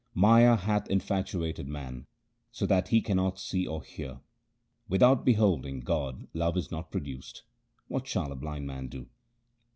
Maya hath infatuated man, so that he cannot see or hear. Without beholding God love is not produced ; what shall a blind man do